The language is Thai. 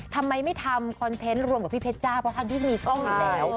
ทำไมไม่ทำคอนเทนต์รวมกับพี่เพชรจ้าเพราะทั้งที่มีกล้องอยู่แล้ว